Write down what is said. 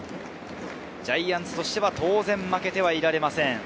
ジャイアンツとしては当然負けてはいられません。